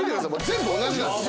全部同じなんです。